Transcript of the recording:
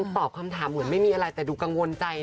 ตอบคำถามเหมือนไม่มีอะไรแต่ดูกังวลใจ